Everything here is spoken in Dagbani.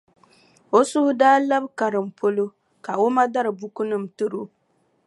O suhu daa labi karim polo ka o ma dari bukunima n-tiri o.